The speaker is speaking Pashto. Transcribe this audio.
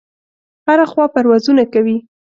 هره خوا پروازونه کوي.